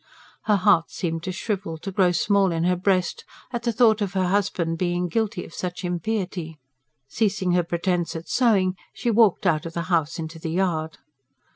Her heart seemed to shrivel, to grow small in her breast, at the thought of her husband being guilty of such impiety. Ceasing her pretence at sewing, she walked out of the house into the yard.